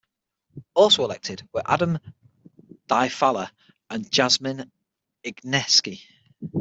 Also elected were Adam Daifallah and Jasmine Igneski.